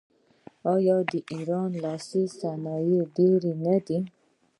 آیا د ایران لاسي صنایع ډیر نه دي؟